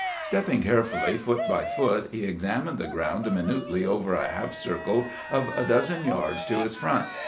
Stepping carefully, foot by foot, he examined the ground minutely over a half circle of a dozen yards to his front.